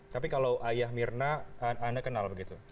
tapi kalau ayah mirna anda kenal begitu